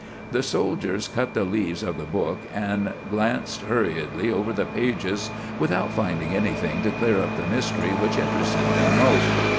The soldiers cut the leaves of the book, and glanced hurriedly over the pages without finding anything to clear up the mystery which interested them most.